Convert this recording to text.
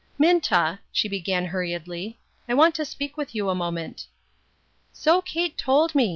"Minta," she began hurriedly, "I want to speak with you a moment." " So Kate told me.